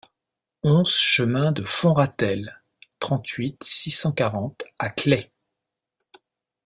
onze chemin de Fond Ratel, trente-huit, six cent quarante à Claix